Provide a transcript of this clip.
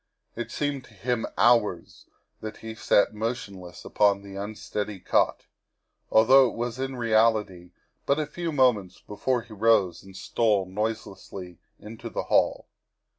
It seemed to him hours that he sat motionless upon the unsteady cot, although it was in reality but a few moments before he rose and stole noiselessly into the hall.